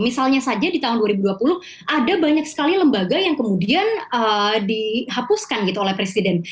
misalnya saja di tahun dua ribu dua puluh ada banyak sekali lembaga yang kemudian dihapuskan gitu oleh presiden